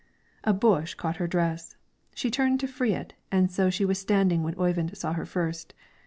A bush caught her dress; she turned to free it, and so she was standing when Oyvind saw her first.